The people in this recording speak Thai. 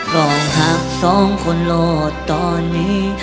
รองหักสองคนโหลดตอนนี้